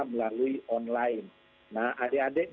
melalui online nah adik adik